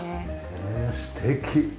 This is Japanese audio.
へえ素敵！